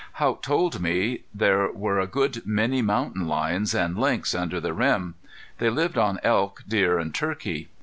Haught told me there were a good many mountain lions and lynx under the rim. They lived on elk, deer, and turkey.